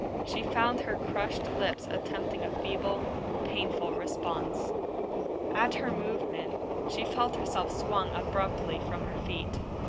She found her crushed lips attempting a feeble, painful response. At her movement, she felt herself swung abruptly from her feet.